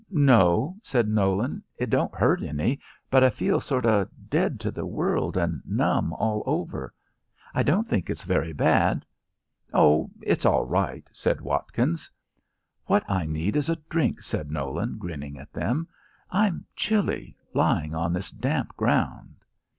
"No," said Nolan, "it don't hurt any, but I feel sort of dead to the world and numb all over. I don't think it's very bad." "Oh, it's all right," said Watkins. "What I need is a drink," said Nolan, grinning at them. "I'm chilly lying on this damp ground."